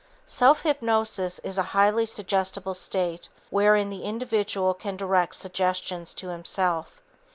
Self hypnosis is a highly suggestible state wherein the individual can direct suggestions to himself.